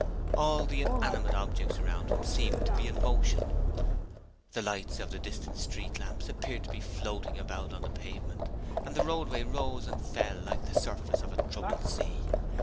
All the inanimate objects around him seemed to be in motion. The lights of the distant street lamps appeared to be floating about the pavement and the roadway rose and fell like the surface of a troubled sea.